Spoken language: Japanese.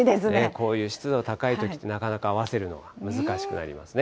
こういう湿度高いときって、なかなか合わせるのが難しくなりますね。